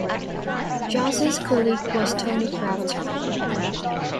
Johnson's colleague was Tony Crafter.